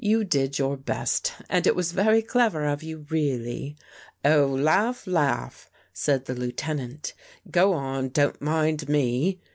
" You did your best and it was very clever of you really." " Oh, laugh, laugh," said the Lieutenant. " Go on, don't mind me."